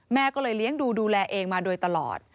แม่ก็เลยเลี้ยงดูดูแลเองมาโดยตลอด